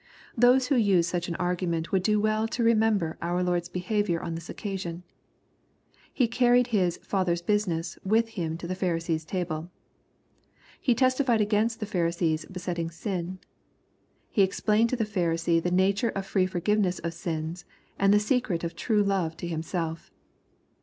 Those who use such an argument would do well to remember our Lord's behavior on this occasion. He carried His Father's business" with Him to the Pharisee's table. He testified against the Pharisee's besetting sin. He explained to the Pharisee the nature of free forgiveness of sins, and the secret of true love to Himself.